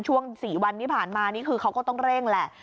ช่วง๔วันที่ผ่านมานี่คือเขาก็ต้องเร่งแหละ